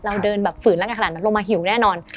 เราเดินแบบฝื่นร่างกายขนาดนั้นลงมาหิวแน่นอน